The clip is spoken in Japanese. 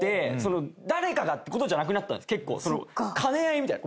兼ね合いみたいな。